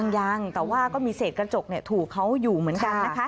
ยังแต่ว่าก็มีเศษกระจกถูกเขาอยู่เหมือนกันนะคะ